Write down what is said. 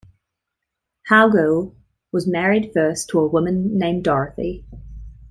Howgill was married first to a woman named Dorothy.